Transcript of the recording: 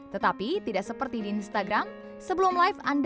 tetapi tidak seperti di instagram sebelum live anda harus menambahkan video